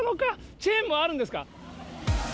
チェーンはあるんですか。